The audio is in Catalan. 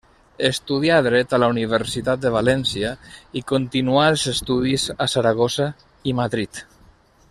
Estudià dret a la Universitat de València, i continuà els estudis a Saragossa i Madrid.